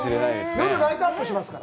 夜、ライトアップしますから。